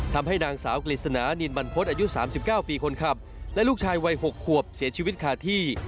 ทำให้นางสาวกฤษณานินบรรพฤษอายุ๓๙ปีคนขับและลูกชายวัย๖ขวบเสียชีวิตคาที่